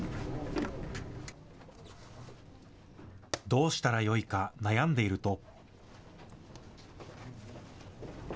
どうしたらよいか悩んでいると。